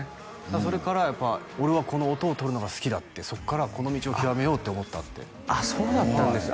それからやっぱ俺はこの音をとるのが好きだってそっからこの道を極めようって思ったってあっそうだったんですね